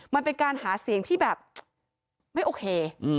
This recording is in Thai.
มันเป็นการหาเสียงที่แบบไม่โอเค